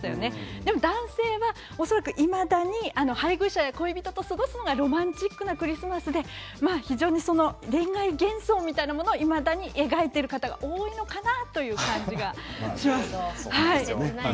でも男性は、いまだに配偶者恋人と過ごすのがロマンチックなクリスマスで恋愛幻想みたいなものを思い描いている方が多いということです。